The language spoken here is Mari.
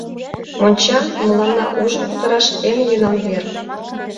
Монча — мыланна ужын кутыраш эн йӧнан вер.